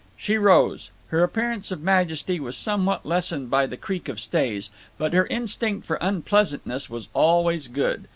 She rose. Her appearance of majesty was somewhat lessened by the creak of stays, but her instinct for unpleasantness was always good.